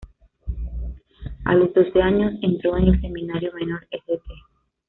A los doce años, entró al Seminario Menor St.